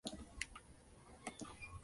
Se dedicó a ejercer su profesión en Santiago.